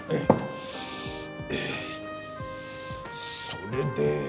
それで？